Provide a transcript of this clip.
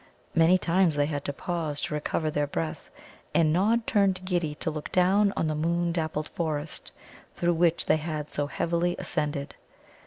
Many times they had to pause to recover their breath, and Nod turned giddy to look down on the moon dappled forest through which they had so heavily ascended.